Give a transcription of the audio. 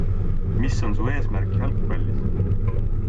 Mis on su eesmärk jalgpallis?